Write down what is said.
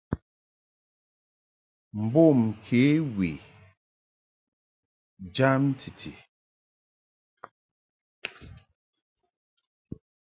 Mbom kě we jam titi.